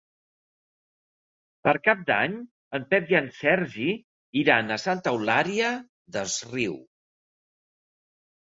Per Cap d'Any en Pep i en Sergi iran a Santa Eulària des Riu.